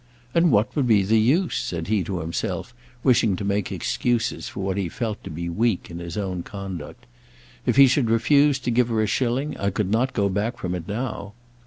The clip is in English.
"And what would be the use?" said he to himself, wishing to make excuses for what he felt to be weak in his own conduct. "If he should refuse to give her a shilling I could not go back from it now."